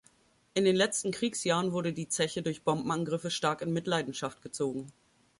In den letzten Kriegsjahren wurde die Zeche durch Bombenangriffe stark in Mitleidenschaft gezogen.